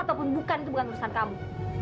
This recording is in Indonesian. ataupun bukan itu bukan urusan kamu